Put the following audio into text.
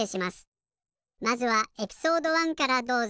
まずはエピソード１からどうぞ。